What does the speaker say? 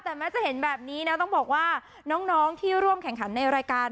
แต่แม้จะเห็นแบบนี้น้องที่ร่วมแข่งขันในรายการ